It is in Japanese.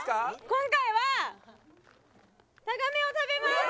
今回はタガメを食べます！